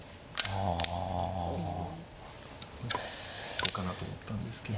どうかなと思ったんですけど。